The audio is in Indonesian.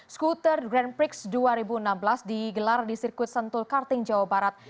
skuter grand prix dua ribu enam belas digelar di sirkuit sentul karting jawa barat